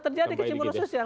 terjadi keceburuan sosial